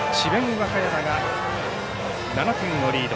和歌山が７点をリード。